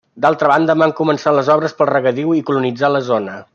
D'altra banda, van començar les obres per al regadiu i colonitzar la zona.